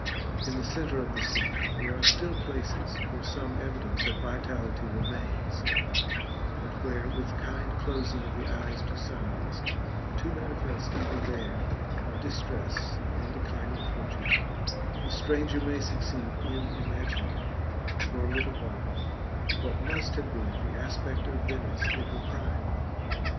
In the centre of the city there are still places where some evidence of vitality remains, and where, with kind closing of the eyes to signs, too manifest even there, of distress and declining fortune, the stranger may succeed in imagining, for a little while, what must have been the aspect of Venice in her prime.